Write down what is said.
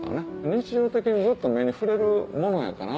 日常的にずっと目に触れるものやから。